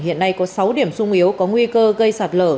hiện nay có sáu điểm sung yếu có nguy cơ gây sạt lở